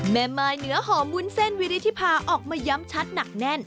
มายเนื้อหอมวุ้นเส้นวิริธิภาออกมาย้ำชัดหนักแน่น